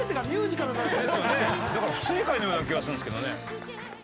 だから不正解のような気がするんですけどね。